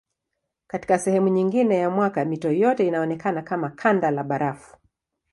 Katika sehemu nyingine ya mwaka mito yote inaonekana kama kanda la barafu.